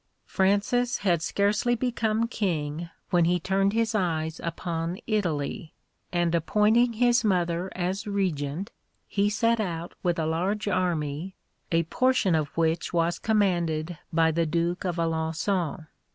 Francis had scarcely become King than he turned his eyes upon Italy, and appointing his mother as Regent, he set out with a large army, a portion of which was commanded by the Duke of Alençon.